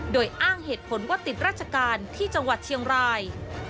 โดยอ้างเหตุผลว่าติดราชการที่จังหวัดเชียงราย